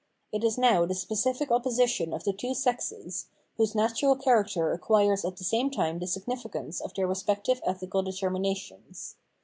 It is now the snecific opposition of the two sexes, whose natural character acquires at the same time the signifi cance of their respective ethical determinations.